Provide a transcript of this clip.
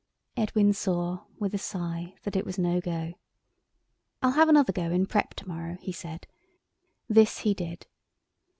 Edwin saw, with a sigh, that it was no go. "I'll have another go in prep to morrow," he said. This he did.